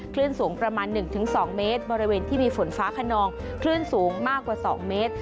คลื่นสูงประมาณ๑๒เมตรบริเวณที่มีฝนฟ้าขนองคลื่นสูงมากกว่า๒เมตร